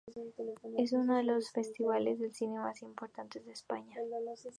Es uno de los festivales de cine más importantes de España.